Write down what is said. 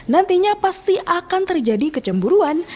nantinya pasti akan terjadi kecemburuan